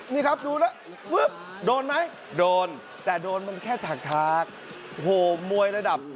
นี่ครับดูแล้วปุ๊บโดนไหมโดนแต่โดนมันแค่ถากโอ้โหมวยระดับ